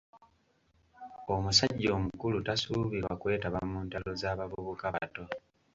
Omusajja omukulu tasuubirwa kwetaba mu ntalo za bavubuka bato.